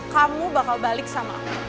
kamu bakal balik sama aku